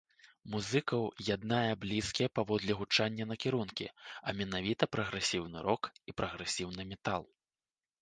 Музыкаў яднае блізкія паводле гучання накірункі, а менавіта прагрэсіўны рок і прагрэсіўны метал.